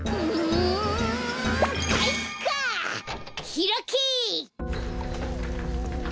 ひらけ！